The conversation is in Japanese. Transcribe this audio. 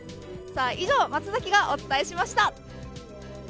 以上、松崎がお伝えしました。